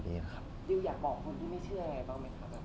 ดิวอยากบอกคนที่ไม่เชื่ออะไรบ้างไหมคะ